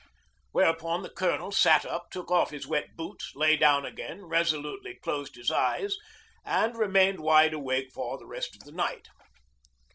Whereupon the Colonel sat up, took off his wet boots, lay down again, resolutely closed his eyes and remained wide awake for the rest of the night.